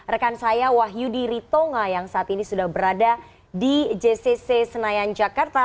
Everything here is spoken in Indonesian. rekan saya wahyudi ritonga yang saat ini sudah berada di jcc senayan jakarta